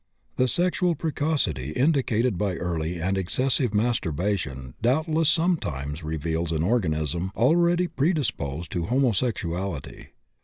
The sexual precocity indicated by early and excessive masturbation doubtless sometimes reveals an organism already predisposed to homosexuality.